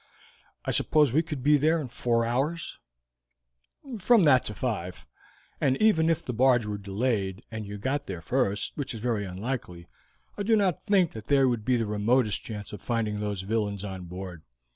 I suppose we could be there in four hours?" "From that to five; but even if the barge were delayed, and you got there first, which is very unlikely, I do not think that there would be the remotest chance of finding those villains on board.